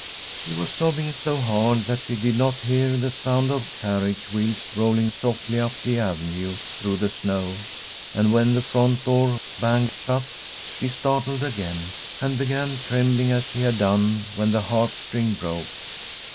She was sobbing so hard that she did not hear the sound of carriage wheels rolling softly up the avenue through the snow, and when the front door banged shut she started again, and began trembling as she had done when the harp string broke.